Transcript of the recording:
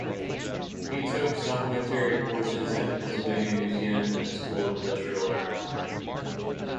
He took supplementary courses at the Pennsylvania Museum and School of Industrial Art.